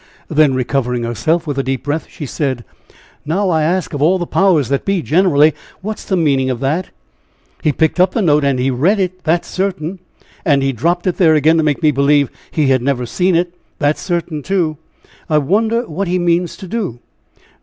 Then recovering herself, with a deep breath she said: "Now I ask of all the 'powers that be' generally, what's the meaning of that? He picked up the note and he read it; that's certain. And he dropped it there again to make me believe he had never seen it; that's certain, too. I wonder what he means to do!